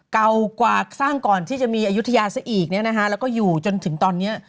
เก่ากว่าสร้างก่อนที่จะมีอาโยทยานหนึ่งแล้วก็อยู่ถึงตอนนี้